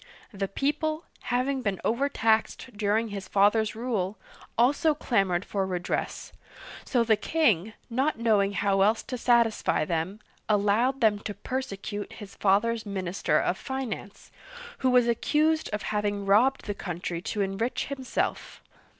The people, having been overtaxed during his father's rule, also clamored for redress, so the king, not knowing how else to satisfy them, allowed them to persecute his father's minister of finance, who was accused of having robbed the country to enrich himself.